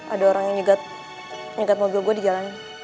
ada orang yang nyeget nyeget mobil gue di jalan